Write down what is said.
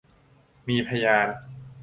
มีพยาน